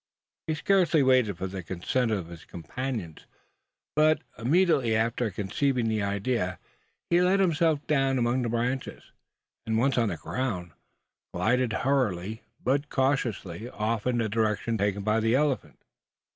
He scarcely waited for the consent of his companions; but, immediately after conceiving the idea, he let himself down among the branches; and once on the ground, glided hurriedly, but cautiously, off in the direction taken by the elephant.